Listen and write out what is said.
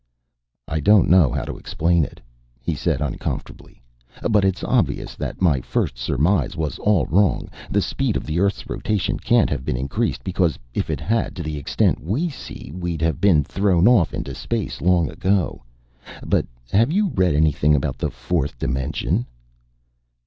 "I don't know how to explain it," he said uncomfortably, "but it's obvious that my first surmise was all wrong. The speed of the earth's rotation can't have been increased, because if it had to the extent we see, we'd have been thrown off into space long ago. But have you read anything about the Fourth Dimension?"